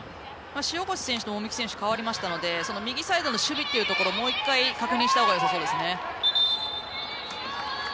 塩越選手と籾木選手代わったので右サイドの守備というところもう一回、確認したほうがよさそうですね。